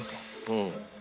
うん。